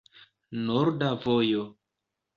Norda vojo.